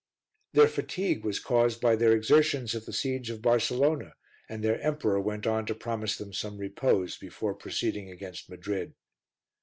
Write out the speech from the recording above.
Their fatigue was caused by their exertions at the siege of Barcelona and their Emperor went on to promise them some repose before proceeding against Madrid.